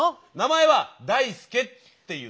名前はだいすけっていうの。